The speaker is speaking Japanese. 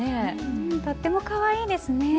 うんとってもかわいいですね！